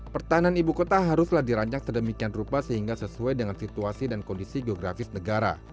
pertahanan ibu kota haruslah dirancang sedemikian rupa sehingga sesuai dengan situasi dan kondisi geografis negara